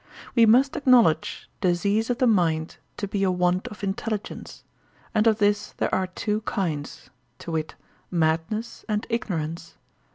We must acknowledge disease of the mind to be a want of intelligence; and of this there are two kinds; to wit, madness and ignorance.